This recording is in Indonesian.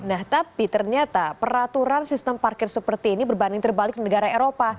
nah tapi ternyata peraturan sistem parkir seperti ini berbanding terbalik negara eropa